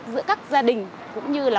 giữa các gia đình cũng như là